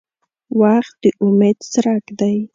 • وخت د امید څرک دی.